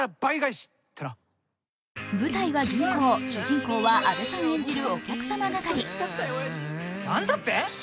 舞台は銀行、主人公は阿部さん演じるお客様係。